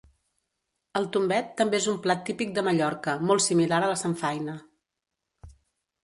El tombet també és un plat típic de Mallorca molt similar a la samfaina.